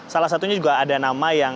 salah satunya juga ada nama yang